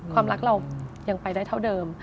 ความรักเรายังไปได้เท่าเดิม